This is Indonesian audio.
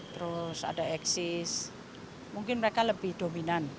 terus ada eksis mungkin mereka lebih dominan